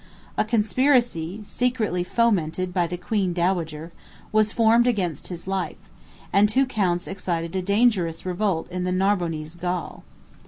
A conspiracy, secretly fomented by the queen dowager, was formed against his life; and two counts excited a dangerous revolt in the Narbonnese Gaul.